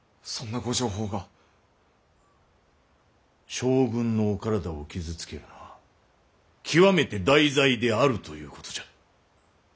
将軍のお体を傷つけるのは極めて大罪であるということじゃ。